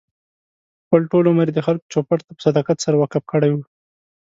خپل ټول عمر یې د خلکو چوپـړ ته په صداقت سره وقف کړی و.